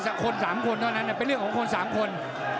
แค่คน๓คนเท่านั้นเนี่ยเป็นเรื่องของคน๓คน